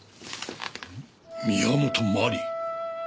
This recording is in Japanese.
「宮本真理」？